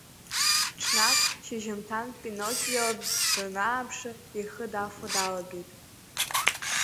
Ҽнак, шьыжьымҭан, Пиноккио данааԥшы ихы дафо далагеит.